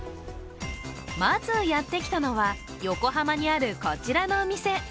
まずやってきたのは横浜にあるこちらのお店。